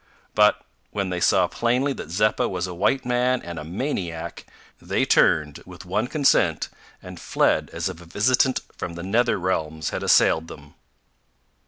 But when they saw plainly that Zeppa was a white man and a maniac, they turned, with one consent, and fled as if a visitant from the nether realms had assailed them.